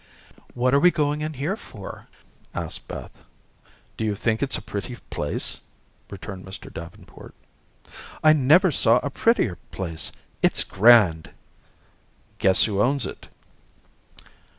"What are we going in here for?" asked Beth. "Do you think it a pretty place?" returned Mr. Davenport. "I never saw a prettier place. It's grand." "Guess who owns it."